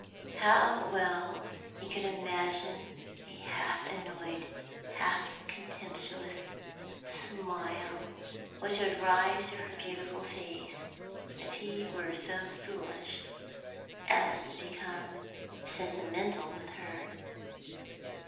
How well he could imagine the half annoyed, half contemptuous smile which would rise to her beautiful face, if he were so foolish as to become sentimental with her!